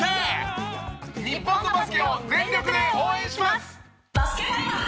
日本のバスケを全力で応援します！